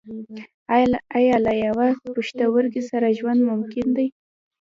ایا له یوه پښتورګي سره ژوند ممکن دی